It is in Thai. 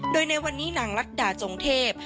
โดยในวันนี้นางรัฐดาจงเทพ